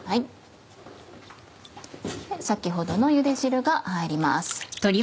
先ほどのゆで汁が入ります。